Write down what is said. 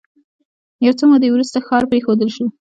یو څه موده وروسته ښار پرېښودل شو.